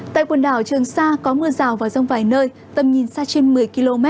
tại quần đảo trường sa có mưa rào vào dòng vài nơi tầm nhìn xa trên một mươi km